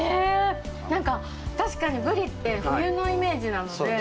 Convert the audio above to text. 確かにブリって冬のイメージなので。